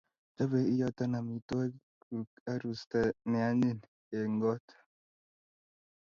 Chobei iyoo amitwogik nguu arusta ne anyiny eng got